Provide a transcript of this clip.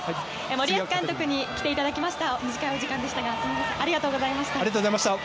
森保監督に来ていただきました。